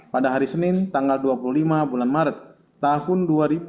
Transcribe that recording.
pada hari senin tanggal dua puluh lima bulan maret tahun dua ribu dua puluh